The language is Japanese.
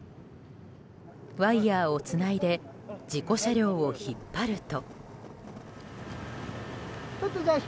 ワイヤをつないで事故車両を引っ張ると。